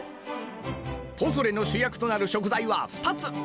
ポソレの主役となる食材は２つ！